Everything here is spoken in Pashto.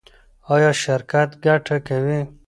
ایا شرکت ګټه کوي؟